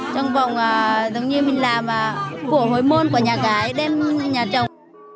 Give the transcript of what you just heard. trong vòng tất nhiên mình làm của hối môn của nhà gái đem nhà chồng